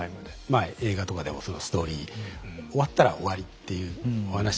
まあ映画とかでもそのストーリー終わったら終わりっていうお話多いじゃないですか。